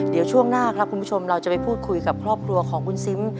เดี๋ยวช่วงหน้าครับคุณผู้ชมเราจะไปพูดคุยกับครอบครัวของคุณซิม